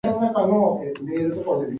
In school he was noted for his talent.